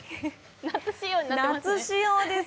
夏仕様です。